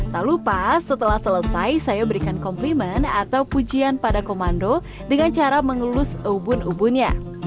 tak lupa setelah selesai saya berikan kompliment atau pujian pada komando dengan cara mengelus ubun ubunnya